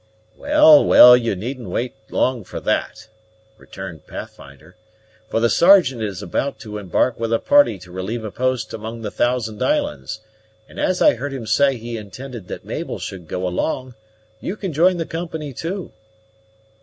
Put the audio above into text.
"Well well, you needn't wait long for that," returned Pathfinder; "for the Sergeant is about to embark with a party to relieve a post among the Thousand Islands; and as I heard him say he intended that Mabel should go along, you can join the company too."